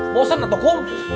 bosen atau kum